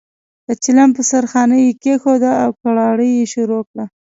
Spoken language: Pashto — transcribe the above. د چلم په سر خانۍ یې کېښوده او کوړاړی یې شروع کړ.